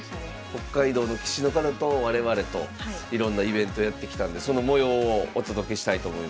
北海道の棋士の方と我々といろんなイベントやってきたんでその模様をお届けしたいと思います。